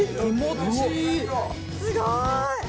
すごーい！